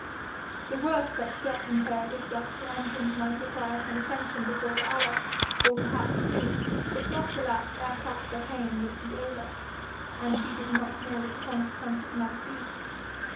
The worst that threatened her was that the engine might require some attention before the hour, or perhaps two, which must elapse ere Caspar came would be over, and she did not know what the consequences might be.